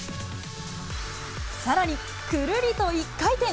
さらに、くるりと１回転。